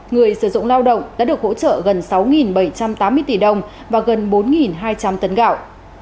người sử dụng lao động đã được hỗ trợ gần sáu bảy trăm tám mươi tỷ đồng và gần bốn hai trăm linh tấn gạo